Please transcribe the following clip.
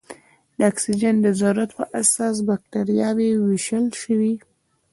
د اکسیجن د ضرورت په اساس بکټریاوې ویشل شوې.